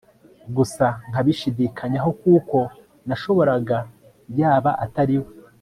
gusa nkabishidikanyaho kuko nabonaga yaba atariwe